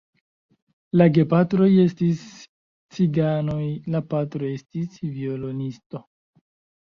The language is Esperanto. La gepatroj estis ciganoj, la patro estis violonisto.